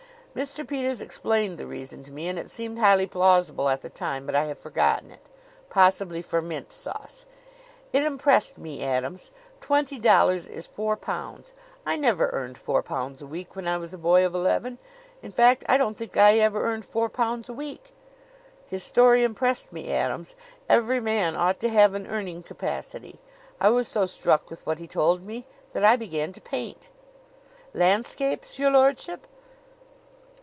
Mr. Peters explained the reason to me and it seemed highly plausible at the time; but I have forgotten it. Possibly for mint sauce. It impressed me, Adams. Twenty dollars is four pounds. I never earned four pounds a week when I was a boy of eleven; in fact, I don't think I ever earned four pounds a week. His story impressed me, Adams. Every man ought to have an earning capacity. I was so struck with what he told me that I began to paint." "Landscapes, your lordship?"